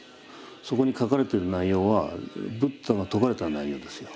そこに書かれてる内容は仏陀が説かれた内容ですよ。